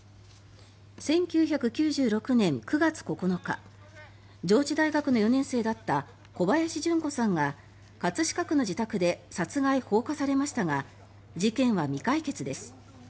１９９６年９月９日上智大学の４年生だった小林順子さんが葛飾区の自宅で殺害・放火されましたが事件は未解決です。